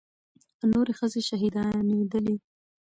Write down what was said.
نورې ښځې شهيدانېدلې.